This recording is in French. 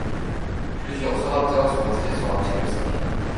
Plusieurs orateurs sont inscrits sur l’article cinq.